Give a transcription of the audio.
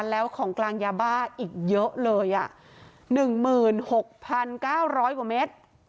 แล้วของกลางยาบ้าอีกเยอะเลยอ่ะหนึ่งหมื่นหกพันเก้าร้อยกว่าเมตร